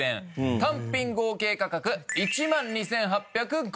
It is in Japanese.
単品合計価格１万２８５０円です。